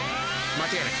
間違いない］